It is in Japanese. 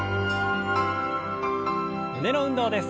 胸の運動です。